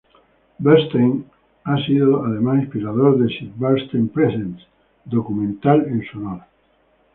Bernstein ha sido, además, inspirador de "Sid Bernstein Presents", documental en su honor.